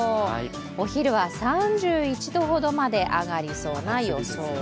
お昼は３１度ほどまで上がりそうな予想。